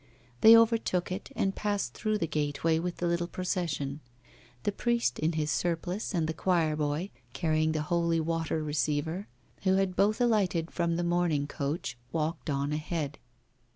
They overtook it, and passed through the gateway with the little procession. The priest in his surplice and the choirboy carrying the holy water receiver, who had both alighted from the mourning coach, walked on ahead.